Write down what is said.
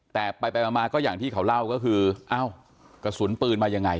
แต่ไปไปมาก็อย่างที่เขาเล่าก็คือเอ้ากระสุนปืนมายังไง